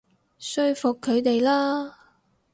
說服佢哋啦